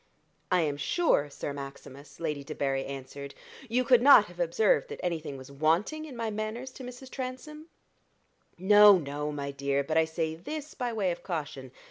"I am sure, Sir Maximus," Lady Debarry answered, "you could not have observed that anything was wanting in my manners to Mrs. Transome." "No, no, my dear; but I say this by way of caution.